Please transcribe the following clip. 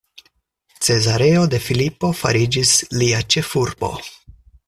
Cezareo de Filipo fariĝis lia ĉefurbo.